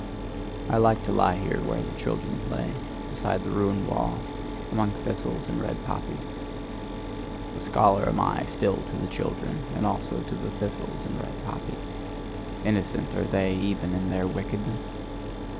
I like to lie here where the children play, beside the ruined wall, among thistles and red poppies. A scholar am I still to the children, and also to the thistles and red poppies. Innocent are they, even in their wickedness.